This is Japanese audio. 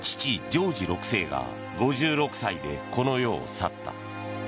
ジョージ６世が５６歳で、この世を去った。